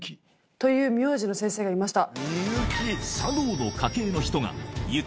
「という名字の先生がいました！」。